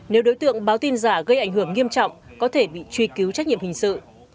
nếu đối tượng báo tin giả gây ảnh hưởng nghiêm trọng có thể bị truy cứu trách nhiệm hình sự